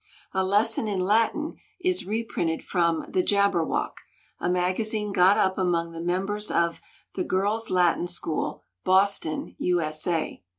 "A Lesson in Latin" is reprinted from The Jabberwock, a Magazine got up among the Members of "The Girls' Latin School, Boston, U.S.A."